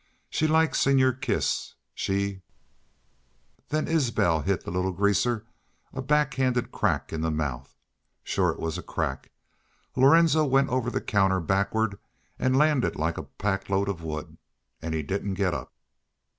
She like senor keese. She ' "Then Isbel hit the little greaser a back handed crack in the mouth. Sure it was a crack! Lorenzo went over the counter backward an' landed like a pack load of wood. An' he didn't git up.